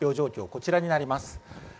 こちらになります。